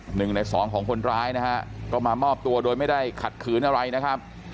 หนึ่งในสองของคนร้ายนะฮะก็มามอบตัวโดยไม่ได้ขัดขืนอะไรนะครับ